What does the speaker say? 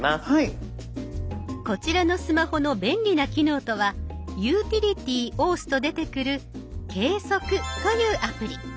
こちらのスマホの便利な機能とは「ユーティリティ」を押すと出てくる「計測」というアプリ。